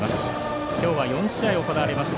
今日は４試合行われます。